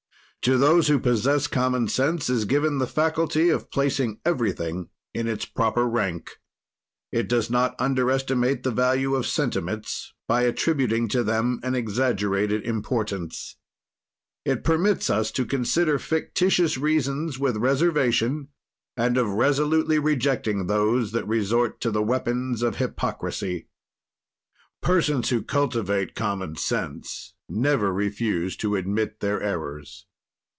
To those who possess common sense is given the faculty of placing everything in its proper rank. It does not underestimate the value of sentiments by attributing to them an exaggerated importance. It permits us to consider fictitious reasons with reservation and of resolutely rejecting those that resort to the weapons of hypocrisy. Persons who cultivate common sense never refuse to admit their errors.